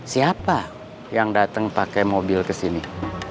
siapa yang dateng pakai mobil kesini